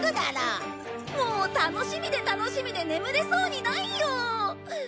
もう楽しみで楽しみで眠れそうにないよ！